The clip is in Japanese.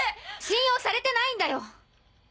信用されてないんだよ！